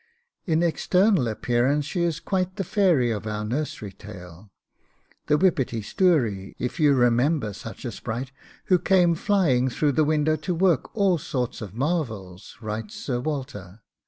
'In external appearance she is quite the fairy of our nursery tale, the WHIPPETY STOURIE, if you remember such a sprite, who came flying through the window to work all sorts of marvels,' writes Sir Walter.